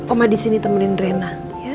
oma disini temenin rena